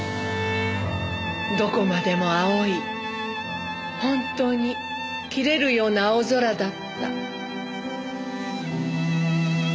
どこまでも青い本当に切れるような青空だった。